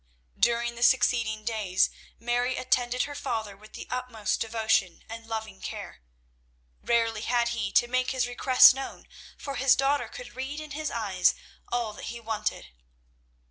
During the succeeding days Mary attended her father with the utmost devotion and loving care. Rarely had he to make his requests known, for his daughter could read in his eyes all that he wanted.